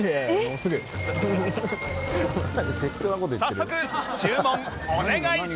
早速注文お願いします！